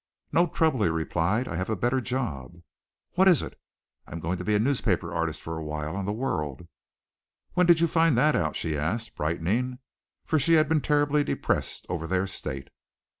"No trouble," he replied. "I have a better job." "What is it?" "I'm going to be a newspaper artist for a while on the World." "When did you find that out?" she asked, brightening, for she had been terribly depressed over their state.